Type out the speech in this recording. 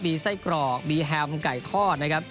มีไส้กรอกมีแฮมไก่ทอดนะครับ